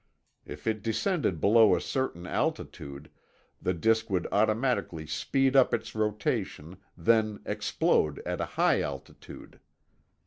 If it descended below a certain altitude, the disk would automatically speed up its rotation, then explode at a high altitude.